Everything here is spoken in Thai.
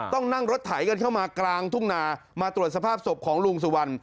ต้องนั่งรถไถกันเข้ามากลางทุ่งนามาตรวจสภาพศพของลุงสุวรรณ